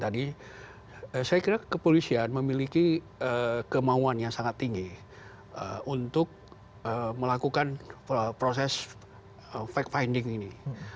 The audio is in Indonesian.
saya kira kepolisian memiliki kemauan yang sangat tinggi untuk melakukan proses fact finding ini